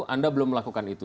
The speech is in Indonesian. anda belum melakukan itu